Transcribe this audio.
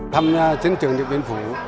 tham gia chiến trường điện biên phủ